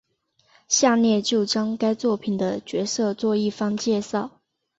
下列就将该作品的角色做一番介绍。